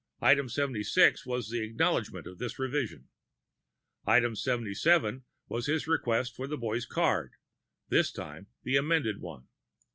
Item seventy six was the acknowledgment of this revision. Item seventy seven was his request for the boy's record card this time, the amended one.